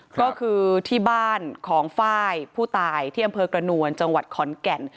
ก็คือที่บ้านของไฟล์ผู้ตายที่อำเภอกระนวลจังหวัดขอนแก่น